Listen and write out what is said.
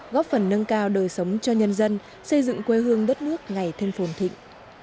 góp phần nâng cao đời sống cho nhân dân xây dựng quê hương đất nước ngày thêm phồn thịnh